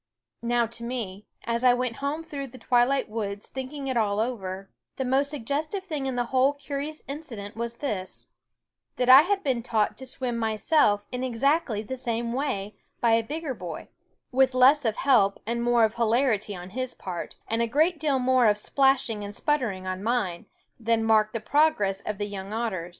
Now to me, as I went home through the twilight woods thinking it all over, the most suggestive thing in the whole curious incident was & this : that I had been taught to swim myself in exactly the same way by a bigger boy with less of help and more of hilarity on his part, and a great deal more of splashing and sputtering on mine, than marked the progress of the young otters.